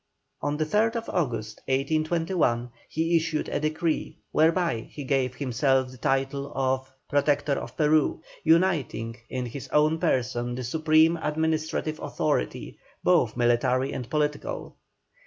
On the 3rd August, 1821, he issued a decree, whereby he gave himself the title of "Protector of Peru," uniting in his own person the supreme administrative authority, both military and political.